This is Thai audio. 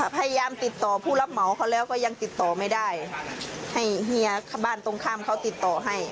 พยายามติดต่อผู้รับเหมาเขาแล้วก็ยังติดต่อไม่ได้ให้เฮียบ้านตรงข้ามเขาติดต่อให้